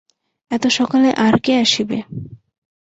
এত সকালে আর কে আসিবে?